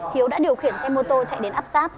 hiếu đã điều khiển xe mô tô chạy đến áp sát